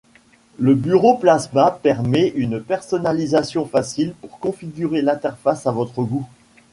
Le bureau Plasma permet une personnalisation facile pour configurer l'interface à votre goût.